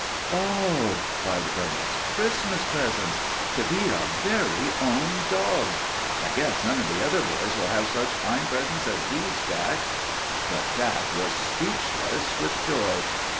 "Oh!" cried Ernest. "Christmas presents! To be our very own dogs! I guess none of the other boys will have such fine presents as these, Jack." But Jack was speechless with joy.